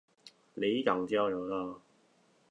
里港交流道